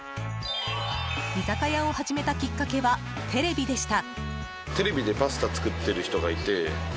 居酒屋を始めたきっかけはテレビでした。